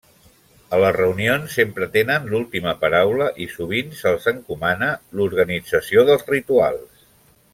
A les reunions sempre tenen l'última paraula i sovint se'ls encomana l'organització dels rituals.